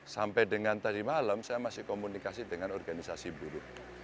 sampai dengan tadi malam saya masih komunikasi dengan organisasi buruh